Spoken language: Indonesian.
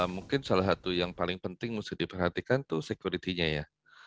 mungkin salah satu yang paling penting mesti diperhatikan itu security nya ya